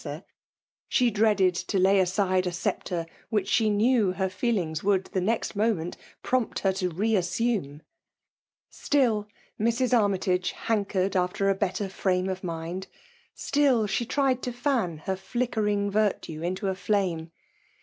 (O8sor)> she dreaded to lay aside a sceptre which she knew her feelings would tho neit jBooment prompt her to re ^asBume ! StiU, Mrs. Armytage hankered after a better £nun6<<af ikuad; still she tried to fan her flidEermg virtue into a flame.